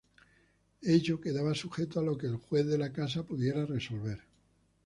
Ello quedaba sujeto a lo que el Juez de la causa pudiera resolver.